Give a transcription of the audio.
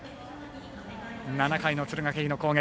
７回の敦賀気比の攻撃。